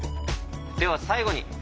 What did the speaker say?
では最後に。